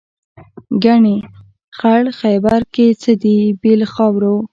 ګنې خړ خیبر کې څه دي بې له خاورو.